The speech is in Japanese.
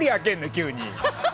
急に。